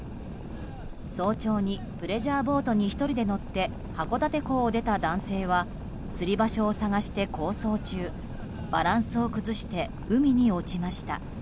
早朝にプレジャーボートに１人で乗って函館港を出た男性は釣り場所を探して航走中バランスを崩して海に落ちました。